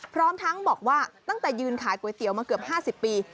พร้อมทั้งบอกว่าตั้งแต่ยืนขายก๋วยเตี๋ยวมาเกือบ๕๐ปี